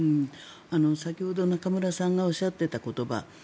先ほど中村さんがおっしゃってた言葉。